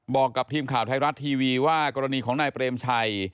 บอกกับทีมข่าวไทยรัฐทีวีว่ากรณีของนายเปรมชัย